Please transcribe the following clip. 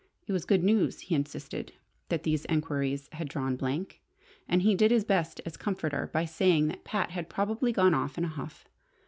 It was good news, he insisted, that these enquiries had drawn blank, and he did his best as a comforter by saying that Pat had probably gone off in a huff.